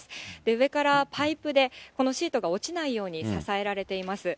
上からパイプでこのシートが落ちないように支えられています。